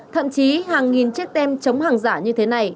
thậm chí hàng nghìn chiếc tem chống hàng giả như thế này